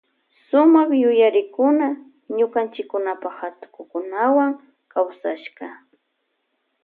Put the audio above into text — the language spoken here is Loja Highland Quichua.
Suma yuyarikuna ñukanchipa hatukukunawa kawsashka.